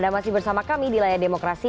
anda masih bersama kami di layar demokrasi